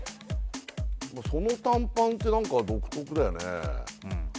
その短パンって何か独特だよね